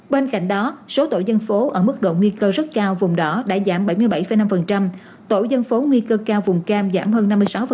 bên cạnh đó số tổ dân phố ở mức độ nguy cơ rất cao vùng đỏ đã giảm bảy mươi bảy năm tổ dân phố nguy cơ cao vùng cam giảm hơn năm mươi sáu